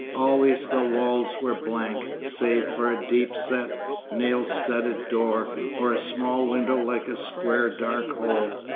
Always the walls were blank, save for a deep set, nail studded door, or a small window like a square dark hole.